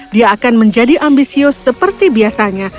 dia akan menjadi ambisius seperti biasanya